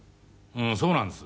うんそうなんです。